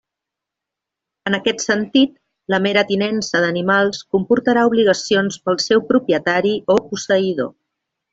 En aquest sentit, la mera tinença d'animals comportarà obligacions pel seu propietari o posseïdor.